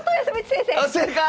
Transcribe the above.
正解！